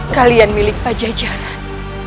kalian milik pajajaran